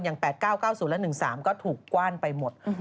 ๘๙๙๐และ๑๓ก็ถูกกว้านไปหมด